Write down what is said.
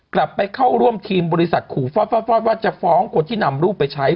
ไปเข้าร่วมทีมบริษัทขู่ฟอดว่าจะฟ้องคนที่นำรูปไปใช้